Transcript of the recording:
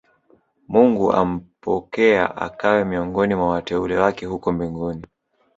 mungu ampokea akawe miongoni mwa wateule wake huko mbinguni